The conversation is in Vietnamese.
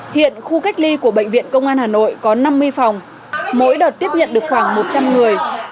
hiện khu cách ly của bệnh viện công an hà nội có năm mươi phòng mỗi đợt tiếp nhận được khoảng một trăm linh người